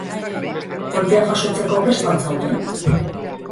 Kolpea jasotzeko prest al zaude?